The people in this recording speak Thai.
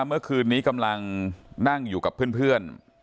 เมื่อคืนนี้กำลังนั่งอยู่กับเพื่อน